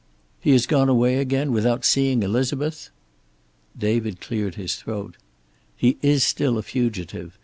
"He has gone away again, without seeing Elizabeth?" David cleared his throat. "He is still a fugitive.